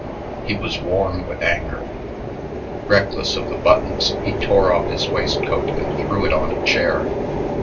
He was warm with anger. Reckless of the buttons, he tore off his waistcoat and threw it on a chair.